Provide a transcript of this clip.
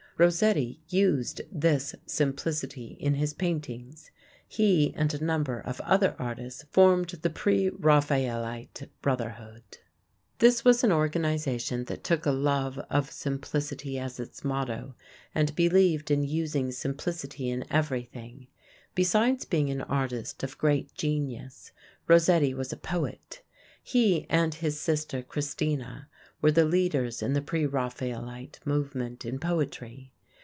Rossetti used this simplicity in his paintings. He and a number of other artists formed the Preraphaelite Brotherhood. This was an organization that took a love of simplicity as its motto, and believed in using simplicity in everything. Besides being an artist of great genius, Rossetti was a poet. He and his sister Christina were the leaders in the Preraphaelite movement in poetry.